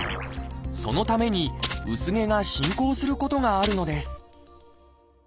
そのために薄毛が進行することがあるのです。